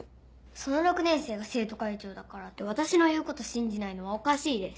その６年生が生徒会長だからって私の言うこと信じないのはおかしいです。